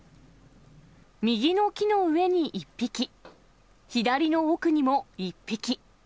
右の木の上に１匹、左の奥にも１匹。